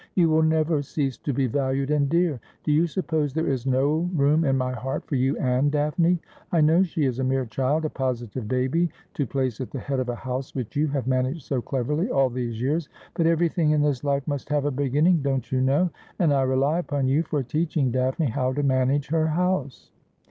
' You will never cease to be valued and dear. Do you suppose there is no room in my heart for you and Daphne ? I know she is a mere child, a positive baby, to place at the head of a house which you have managed so cleverly all these years ; but everything in this life must have a beginning, don't you know, and I rely upon you for teaching Daphne how to manage her house.'